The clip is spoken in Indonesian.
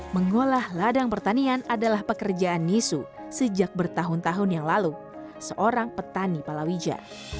mengolah ladang pertanian adalah pekerjaan nisu sejak bertahun tahun yang lalu seorang petani palawija